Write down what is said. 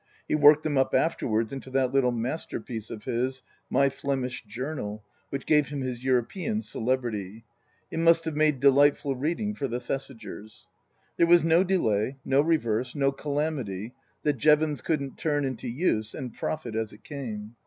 He worked them up afterwards into that little masterpiece of his, " My Flemish Journal," which gave him his European celebrity (it must have made delightful reading for the Thesigers). There was no delay, no reverse, no calamity that Jevons couldn't turn into use and profit as it came.